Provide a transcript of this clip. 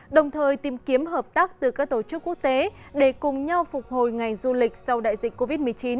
đồng thời tìm kiếm hợp tác từ các tổ chức quốc tế để cùng nhau phục hồi ngành du lịch sau đại dịch covid một mươi chín